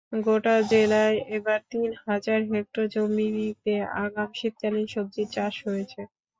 গোটা জেলায় এবার তিন হাজার হেক্টর জমিতে আগাম শীতকালীন সবজির চাষ হয়েছে।